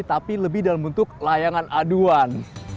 tapi lebih dalam bentuk layangan aduan